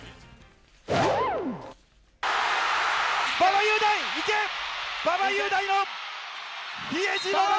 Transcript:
馬場雄大いけ、馬場雄大、比江島が。